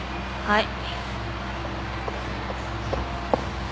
はい。